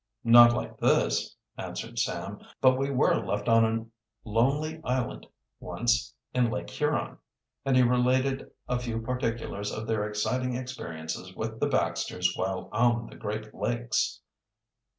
"Not like this," answered Sam. "But we were left on a lonely island once in Lake Huron," and he related a few particulars of their exciting experiences with the Baxters while on the Great Lakes.